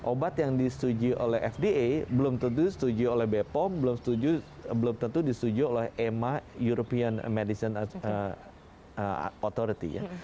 obat yang disetujui oleh fda belum tentu disetujui oleh bepom belum tentu disetujui oleh emma european medicine authority ya